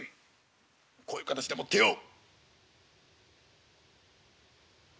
こういう形でもってよ。